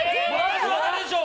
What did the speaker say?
私は誰でしょう。